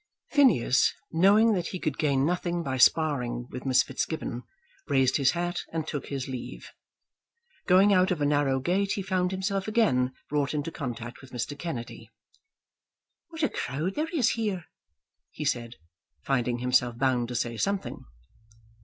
Phineas, knowing that he could gain nothing by sparring with Miss Fitzgibbon, raised his hat and took his leave. Going out of a narrow gate he found himself again brought into contact with Mr. Kennedy. "What a crowd there is here," he said, finding himself bound to say something.